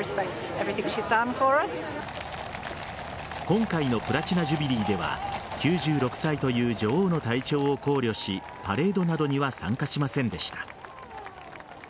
今回のプラチナ・ジュビリーでは９６歳という女王の体調を考慮しパレードなどには参加しませんでした。